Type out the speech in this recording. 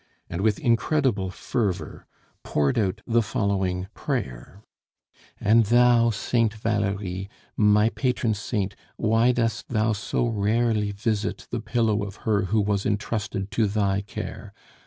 and with incredible fervor poured out the following prayer: "And thou, Saint Valerie, my patron saint, why dost thou so rarely visit the pillow of her who was intrusted to thy care?